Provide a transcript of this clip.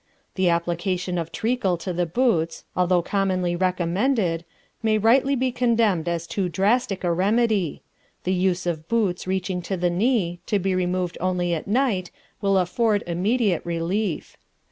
The application of treacle to the boots, although commonly recommended, may rightly be condemned as too drastic a remedy. The use of boots reaching to the knee, to be removed only at night, will afford immediate relief.